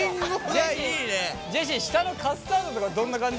ジェシー下のカスタードとかどんな感じ？